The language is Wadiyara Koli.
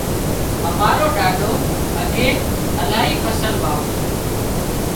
امارو ڏاڏو اڳي الاهي فصل واوتو